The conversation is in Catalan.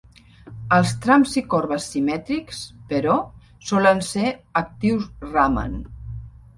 Els trams i corbes simètrics, però, solen ser actius Raman.